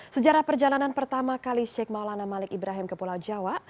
sejarah perjalanan pertama kali sheikh maulana malik ibrahim ke pulau jawa